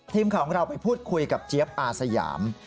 ทีมข่าวของเราไปพูดคุยกับเจี๊ยบอาสยาม